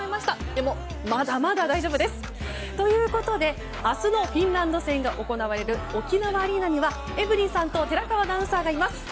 でもまだまだ大丈夫です。ということで明日のフィンランド戦が行われる沖縄アリーナにはエブリンさんと寺川アナウンサーがいます。